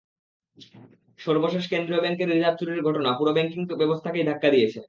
সর্বশেষ কেন্দ্রীয় ব্যাংকের রিজার্ভ চুরির ঘটনা পুরো ব্যাংকিং ব্যবস্থাকেই ধাক্কা দিয়েছে।